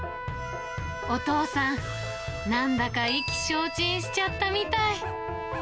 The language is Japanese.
お父さん、なんだか意気消沈しちゃったみたい。